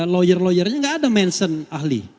lawyer lawyernya nggak ada mention ahli